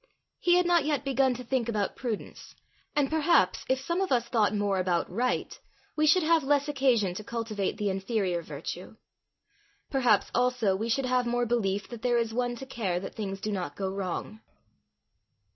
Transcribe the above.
He had not yet begun to think about prudence, and perhaps, if some of us thought more about right, we should have less occasion to cultivate the inferior virtue. Perhaps also we should have more belief that there is One to care that things do not go wrong.